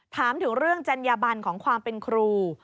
ถามถึงเรื่องจัญญบันของความเป็นครู